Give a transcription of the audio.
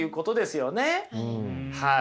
はい。